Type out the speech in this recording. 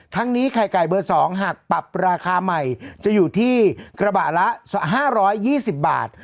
นี้ไข่ไก่เบอร์๒หากปรับราคาใหม่จะอยู่ที่กระบะละ๕๒๐บาท